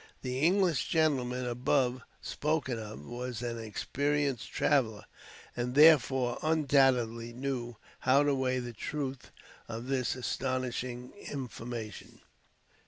The English gentleman above spoken of was an experienced traveler, and therefore undoubtedly knew how to weigh the truth of his astonishing information.